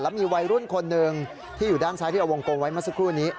มีวัยรุ่นคนหนึ่งที่อยู่ด้านซ้ายที่เอาวงกลมไว้เมื่อสักครู่นี้